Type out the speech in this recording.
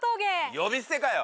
呼び捨てかよ！